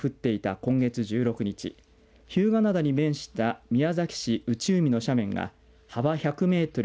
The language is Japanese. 今月１６日日向灘に面した宮崎市内海の斜面が幅１００メートル